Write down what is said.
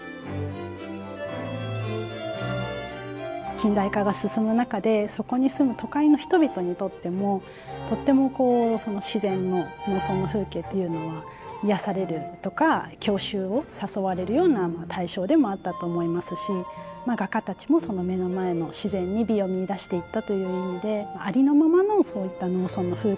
近代化が進む中でそこに住む都会の人々にとってもとってもこう自然の農村の風景というのは癒やされるとか郷愁を誘われるような対象でもあったと思いますし画家たちもその目の前の自然に美を見いだしていったという意味でありのままのそういった農村の風景ですとか